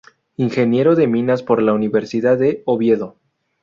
Ingeniero de minas por la Universidad de Oviedo.